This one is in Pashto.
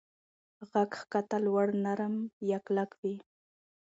غږ کښته، لوړ، نرم یا کلک وي.